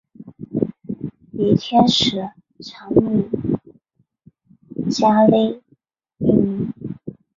以天使长米迦勒命名。